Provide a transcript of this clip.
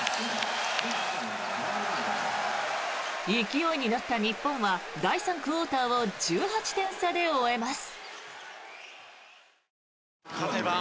勢いに乗った日本は第３クオーターを１８点差で終えます。